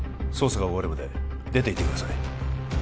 捜査が終わるまで出ていてください